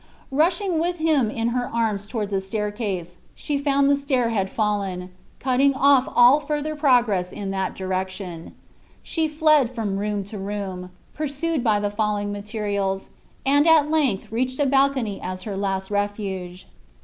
Rushing with him in her arms towards the staircase, she found the stair had fallen cutting off all further progress in that direction. She fled from room to room, pursued by the falling materials, and at length reached a balcony as her last refuge.